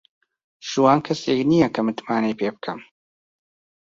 شوان کەسێک نییە کە متمانەی پێ بکەم.